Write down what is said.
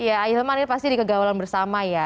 iya ahilman ini pasti dikegawalan bersama ya